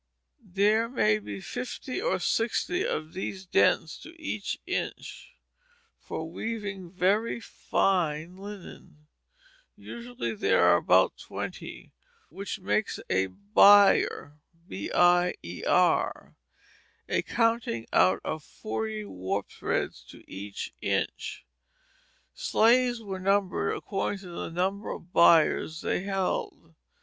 There may be fifty or sixty of these dents to one inch, for weaving very fine linen; usually there are about twenty, which gives a "bier" a counting out of forty warp threads to each inch. Sleys were numbered according to the number of biers they held.